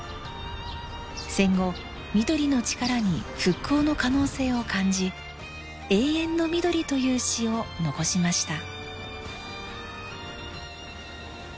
戦後緑の力に復興の可能性を感じ『永遠のみどり』という詩を残しました。